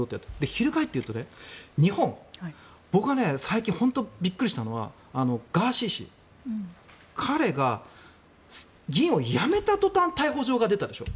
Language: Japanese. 翻って言うと日本、僕は最近本当にびっくりしたのはガーシー氏彼が議員を辞めた途端逮捕状が出たでしょ。